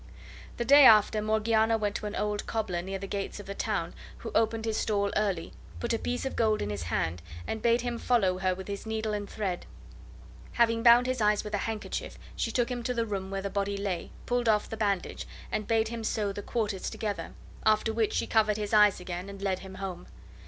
The day after Morgiana went to an old cobbler near the gates of the town who opened his stall early, put a piece of gold in his hand, and bade him follow her with his needle and thread. Having bound his eyes with a handkerchief, she took him to the room where the body lay, pulled off the bandage, and bade him sew the quarters together, after which she covered his eyes again and led him home.